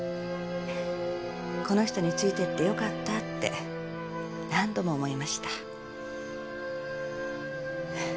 この人についてってよかったって何度も思いました。